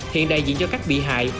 hiện đại diện cho các bị hại